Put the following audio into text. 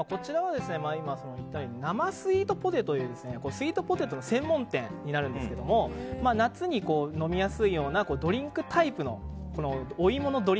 こちらは生スイートポテトというスイートポテトの専門店なんですけど夏に飲みやすいようなドリンクタイプ。